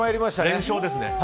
連勝です。